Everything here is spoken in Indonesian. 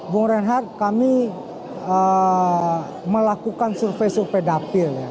bung renhar kami melakukan survei survei dapil ya